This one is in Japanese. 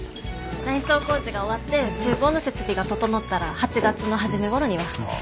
内装工事が終わって厨房の設備が整ったら８月の初め頃には。